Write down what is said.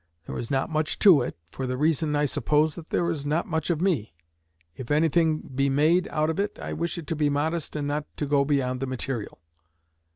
There is not much to it, for the reason, I suppose, that there is not much of me. If anything be made out of it I wish it to be modest and not to go beyond the material."